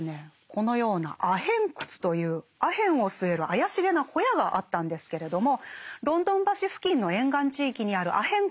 このようなアヘン窟というアヘンを吸える怪しげな小屋があったんですけれどもロンドン橋付近の沿岸地域にあるアヘン